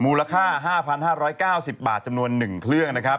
มูลค่า๕๕๙๐บาทจำนวน๑เครื่องนะครับ